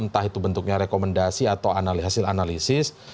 entah itu bentuknya rekomendasi atau hasil analisis